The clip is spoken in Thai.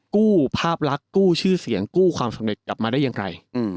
กู้ภาพลักษณ์กู้ชื่อเสียงกู้ความสำเร็จกลับมาได้อย่างไร